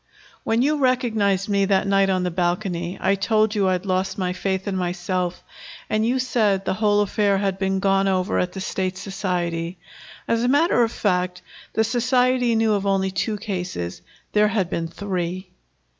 "When you recognized me that night on the balcony, I told you I'd lost my faith in myself, and you said the whole affair had been gone over at the State Society. As a matter of fact, the Society knew of only two cases. There had been three."